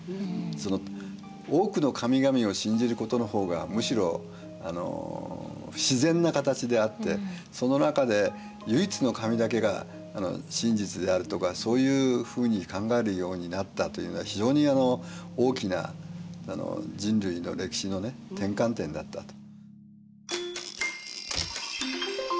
その多くの神々を信じることの方がむしろ自然な形であってその中で唯一の神だけが真実であるとかそういうふうに考えるようになったというのは非常に大きな人類の歴史のね転換点だったと。